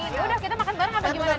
udah kita makan bareng apa gimana nih